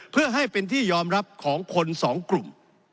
เพื่อให้เป็นที่ยอมรับของคนสองกลุ่ม